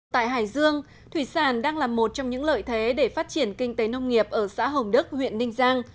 tại hải dương thủy sản đang là một trong những lợi thế để phát triển kinh tế nông nghiệp ở xã hồng đức huyện ninh giang